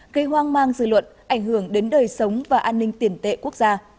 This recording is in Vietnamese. gây hoang mang dư luận ảnh hưởng đến đời sống và an ninh tiền tệ quốc gia